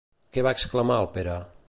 Què va exclamar el Pere?